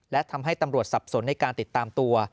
และทำให้ตำรวจสับสนในการติดตามตัว